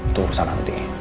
itu urusan nanti